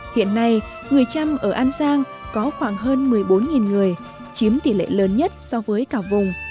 hiện nay người trăm ở an giang có khoảng hơn một mươi bốn người chiếm tỷ lệ lớn nhất so với cả vùng